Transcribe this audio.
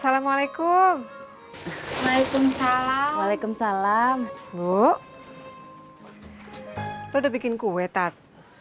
lo udah bikin kue tat